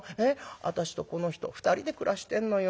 私とこの人２人で暮らしてんのよ。